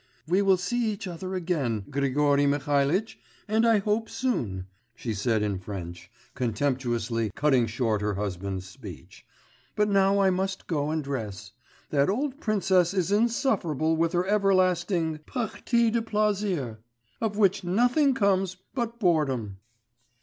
'We will see each other again, Grigory Mihalitch, and I hope soon,' she said in French, contemptuously cutting short her husband's speech, 'but now I must go and dress. That old princess is insufferable with her everlasting parties de plaisir, of which nothing comes but boredom.